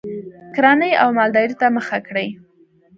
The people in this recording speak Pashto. کرنې او مالدارۍ ته مخه کړي